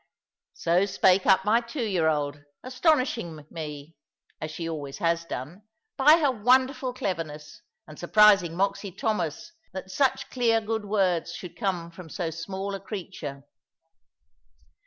So spake up my two year old, astonishing me (as she always has done) by her wonderful cleverness, and surprising Moxy Thomas that such clear good words should come from so small a creature.